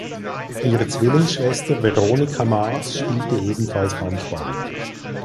Ihre Zwillingsschwester Veronika Maaß spielte ebenfalls Handball.